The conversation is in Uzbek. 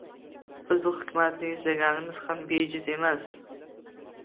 Biz bu hikmatni eslaganimiz ham bejiz emas